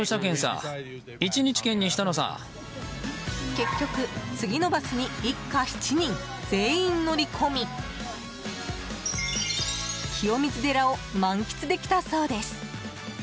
結局、次のバスに一家７人全員乗り込み清水寺を満喫できたそうです。